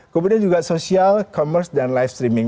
kemudian juga sosial commerce dan live streaming